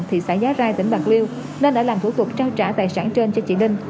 thị xã giá rai tỉnh bạc liêu nên đã làm thủ tục trao trả tài sản trên cho chị ninh